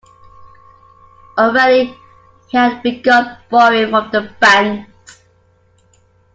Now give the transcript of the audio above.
Already he had begun borrowing from the banks.